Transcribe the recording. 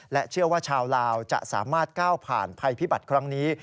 เชื่อว่าชาวลาวจะสามารถก้าวผ่านภัยพิบัติครั้งนี้